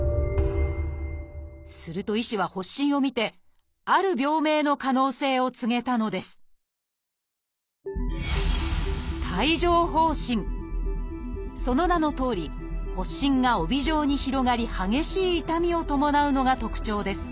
すると医師は発疹を見てある病名の可能性を告げたのですその名のとおり発疹が帯状に広がり激しい痛みを伴うのが特徴です。